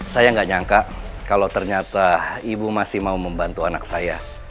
saya nggak nyangka kalau ternyata ibu masih mau membantu anak saya